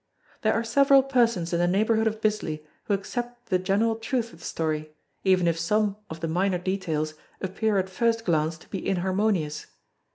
There are several persons in the neighbourhood of Bisley who accept the general truth of the story even if some of the minor details appear at first glance to be inharmonious.